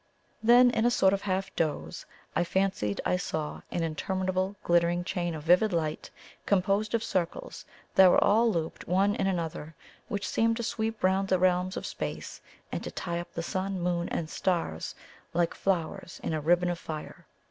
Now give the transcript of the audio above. Then in a sort of half doze, I fancied I saw an interminable glittering chain of vivid light composed of circles that were all looped one in another, which seemed to sweep round the realms of space and to tie up the sun, moon, and stars like flowers in a ribbon of fire.